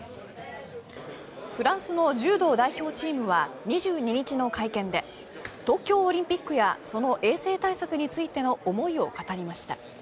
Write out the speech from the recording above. フランスの柔道代表チームは２２日の会見で東京オリンピックやその衛生対策についての思いを語りました。